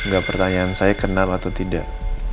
enggak pertanyaan saya kenal atau tidak